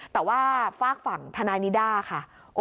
แต่ว่าฝากฝั่งทนายนิด้าค่ะ